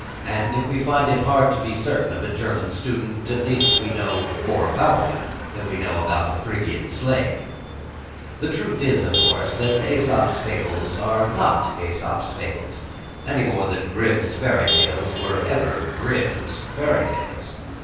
And if we find it hard to be certain of a German student, at least we know more about him than We know about a Phrygian slave. The truth is, of course, that Æsop's Fables are not Æsop's fables, any more than Grimm's Fairy Tales were ever Grimm's fairy tales.